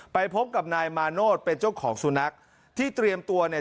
ไปพบกับนายมาโนธเป็นเจ้าของสุนัขที่เตรียมตัวเนี่ย